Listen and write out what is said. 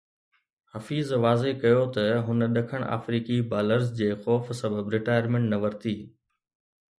حفيظ واضح ڪيو ته هن ڏکڻ آفريڪي بالرز جي خوف سبب رٽائرمينٽ نه ورتي